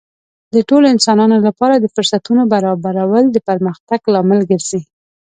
د ټولو انسانانو لپاره د فرصتونو برابرول د پرمختګ لامل ګرځي.